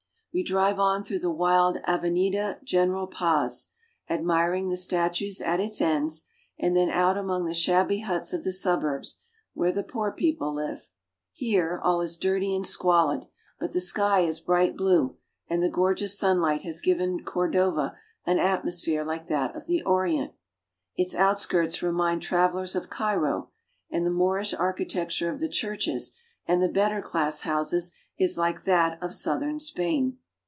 We drive on through the wide Avenida General Paz, admiring the statues at its ends, and then out among the shabby huts of the suburbs, where the poor people live. Here all is dirty and squalid, but the sky is bright blue, and the gorgeous sunlight has given Cordova an atmo sphere Hke that of the Orient. Its outskirts remind trav elers of Cairo, and the Moorish architecture of the churches and the better class houses is like that of southern Spain.